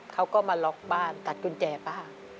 เขาก็มาล็อกบ้านตัดกุญแจป้า